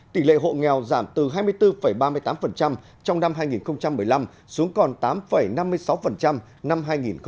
tỷ lệ hộ nghèo giảm từ hai mươi bốn ba mươi tám trong năm hai nghìn một mươi năm xuống còn tám năm mươi sáu năm hai nghìn một mươi tám